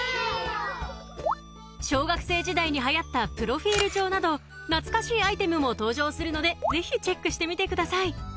小学生時代に流行ったなど懐かしいアイテムも登場するのでぜひチェックしてみてください